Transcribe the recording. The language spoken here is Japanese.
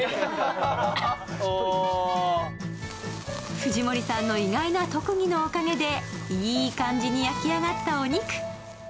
藤森さんの意外な特技のおかげで、いい感じに焼き上がったお肉。